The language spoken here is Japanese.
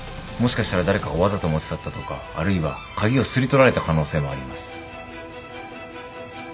もしかしたら誰かがわざと持ち去ったとかあるいは鍵をすり取られた可能性もあります。